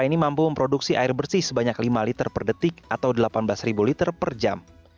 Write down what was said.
ini mampu memproduksi air bersih sebanyak lima liter per detik atau delapan belas liter per jam